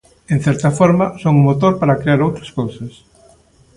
En certa forma, son o motor para crear outras cousas.